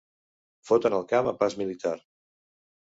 Foten el camp a pas militar.